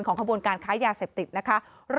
ขบวนการค้ายาเสพติดนะคะ